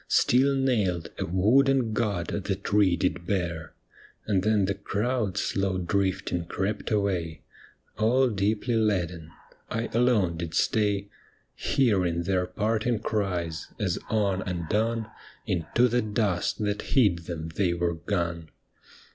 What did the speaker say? Still nailed, a wooden God the tree did bear. And then the crowd slow drifting crept away, All deeply laden ; I alone did stay, Hearing their parting cries, as on and on Into the dust that hid them they were gone.